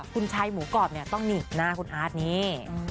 คุณใช้หมูกรอบนึงต้องหนีดหน้าคุณอาร์ทเนี่ย